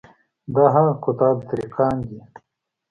دا هغه قطاع الطریقان دي.